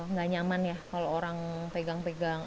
nggak nyaman ya kalau orang pegang pegang